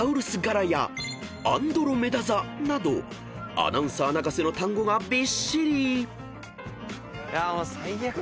［アナウンサー泣かせの単語がびっしり］